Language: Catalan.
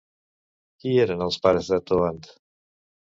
Qui eren els pares de Toant?